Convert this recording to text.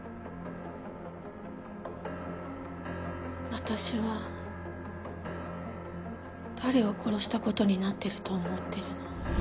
私は誰を殺したことになってると思ってるの。